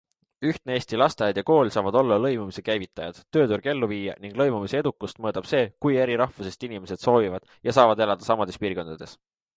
Ühtne eesti lasteaed ja kool saavad olla lõimumise käivitajad, tööturg elluviija ning lõimumise edukust mõõdab see, kui eri rahvusest inimesed soovivad ja saavad elada samades piirkondades.